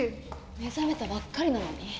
目覚めたばっかりなのに。